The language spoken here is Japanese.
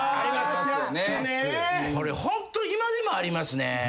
これホント今でもありますね。